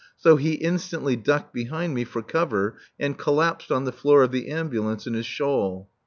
So he instantly ducked behind me for cover and collapsed on the floor of the ambulance in his shawl.